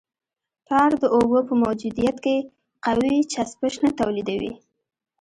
ټار د اوبو په موجودیت کې قوي چسپش نه تولیدوي